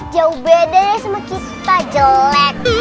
jauh beda sama kita jelek